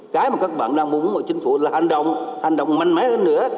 cái mà các bạn đang mong muốn của chính phủ là hành động hành động mạnh mẽ hơn nữa